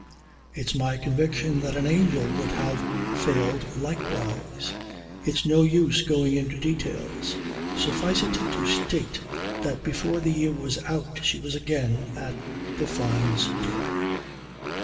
It's my conviction that an angel would have failed likewise. It's no use going into details; suffice it to state that before the year was out she was again at the Fynes' door.